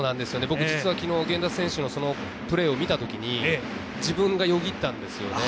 実は昨日源田選手を見たときに自分がよぎったんですよね。